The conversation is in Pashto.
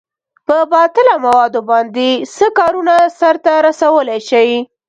په باطله موادو باندې څه کارونه سرته رسولئ شئ؟